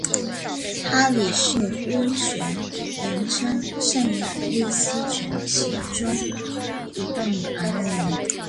哈里逊温泉原称圣雅丽斯泉其中一个女儿命名。